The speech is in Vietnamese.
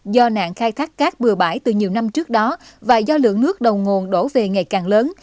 do nạn khai thác cát bừa bãi từ nhiều năm trước đó và do lượng nước đầu nguồn đổ về ngày càng lớn